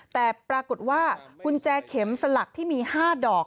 แต่ปรากฏว่ากุญแจเข็มสลักที่มี๕ดอก